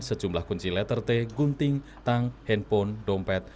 sejumlah kunci letter t gunting tang handphone dompet